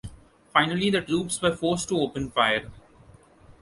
Finally the troops were forced to open fire.